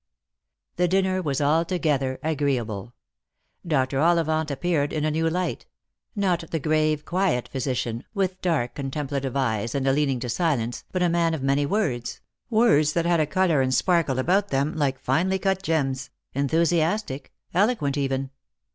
The dinner was altogether agreeable. Dr. Ollivant appeared in a new light — not the grave quiet physician, with dark con templative eyes and a leaning to silence, but a man of many words — words that had a colour and sparkle about them, like finely cut gems — enthusiastic, eloquent even.